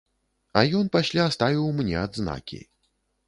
А ён пасля ставіў мне адзнакі.